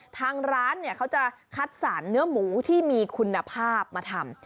ทางร้านเนี่ยเขาจะคัดสรรเนื้อหมูที่มีคุณภาพมาทำ